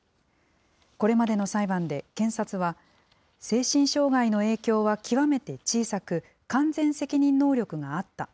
これまでの裁判で検察は、精神障害の影響は極めて小さく、完全責任能力があった。